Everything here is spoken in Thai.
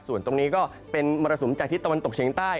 ส่วนตรงนี้ก็เป็นมรสุมจากทิศตะวันตกเฉียงใต้